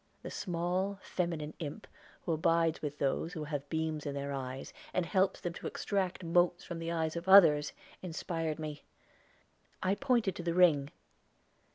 The small, feminine imp, who abides with those who have beams in their eyes, and helps them to extract motes from the eyes of others, inspired me. I pointed to the ring.